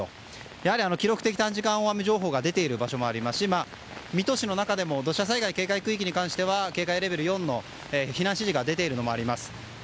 やはり記録的短時間大雨情報が出ている場所もありますし水戸市の中でも土砂災害警戒区域に関しては警戒レベル４の避難指示が出ているのもあります。